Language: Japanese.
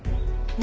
何？